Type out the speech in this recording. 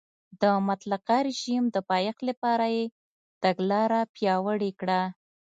د مطلقه رژیم د پایښت لپاره یې تګلاره پیاوړې کړه.